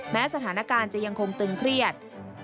แม้สถานการณ์จะยังคงตึงเครียด